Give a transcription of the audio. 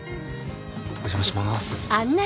お邪魔します。